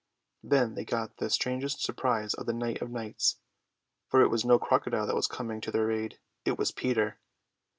Then they got the strangest surprise of the Night of Nights; for it was no crocodile that was coming to their aid. It was Peter.